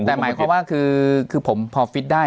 แต่หมายความว่าคือผมพอฟิตได้